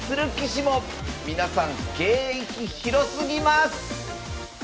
皆さん芸域広すぎます！